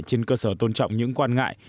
trên cơ sở tôn trọng những quan ngại